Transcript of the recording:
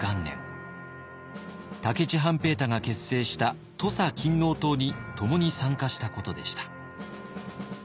武市半平太が結成した土佐勤王党に共に参加したことでした。